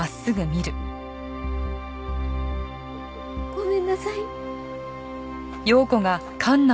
ごめんなさい。